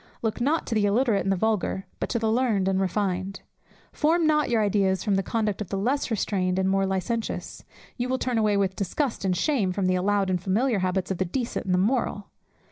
Look not to the illiterate and the vulgar, but to the learned and refined. Form not your ideas from the conduct of the less restrained and more licentious; you will turn away with disgust and shame from the allowed and familiar habits of the decent and the moral.